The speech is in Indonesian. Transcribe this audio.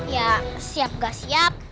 ya siap gak siap